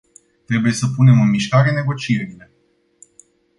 Trebuie să punem în mișcare negocierile.